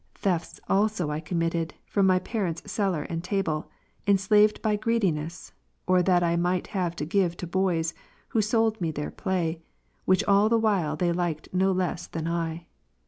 Thefts also I committed, from my parents' cellar and table, enslaved by greediness, or that I might have to give to boys, who sold me their play, which all the while they liked no less than I.